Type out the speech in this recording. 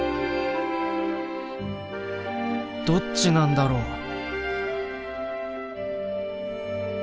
どっちなんだろう？